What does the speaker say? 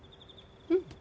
うん。